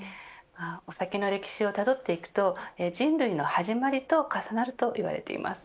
お酒の歴史をたどっていくと人類の始まりと重なると言われています。